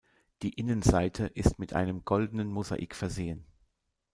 Die Innenseite ist mit einem goldenen Mosaik versehen.